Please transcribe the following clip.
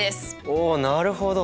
おなるほど。